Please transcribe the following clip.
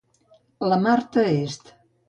La Marta est